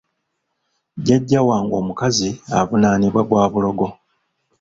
Jjajja wange omukazi avunaanibwa gwa bulogo.